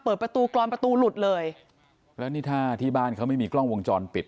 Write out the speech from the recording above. เปิดประตูกรอนประตูหลุดเลยแล้วนี่ถ้าที่บ้านเขาไม่มีกล้องวงจรปิด